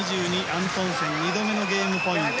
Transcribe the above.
アントンセン２度目のゲームポイント。